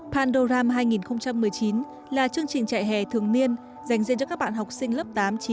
pandoram hai nghìn một mươi chín là chương trình trại hè thường niên dành riêng cho các bạn học sinh lớp tám chín